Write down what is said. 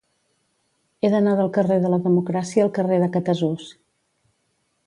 He d'anar del carrer de la Democràcia al carrer de Catasús.